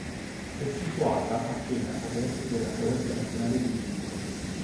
È situata appena ad est della foresta nazionale di Lincoln.